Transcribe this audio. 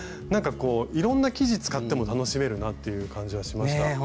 なんかこういろんな生地使っても楽しめるなという感じはしました。